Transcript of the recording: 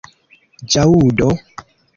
ĵaŭdo